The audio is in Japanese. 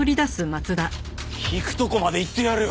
いくとこまでいってやるよ！